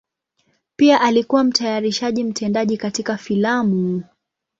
Pia alikuwa mtayarishaji mtendaji katika filamu.